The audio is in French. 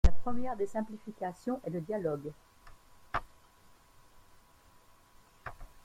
La première des simplifications est le dialogue.